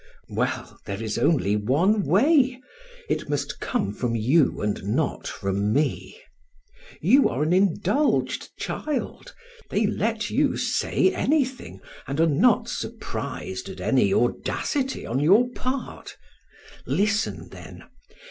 "Well! There is only one way. It must come from you and not from me. You are an indulged child; they let you say anything and are not surprised at any audacity on your part. Listen, then!